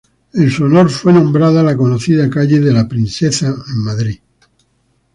En su honor fue nombrada la conocida calle de la Princesa en Madrid.